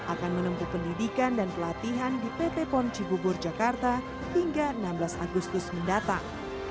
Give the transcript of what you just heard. akan menempuh pendidikan dan pelatihan di pt pom cibubur jakarta hingga enam belas agustus mendatang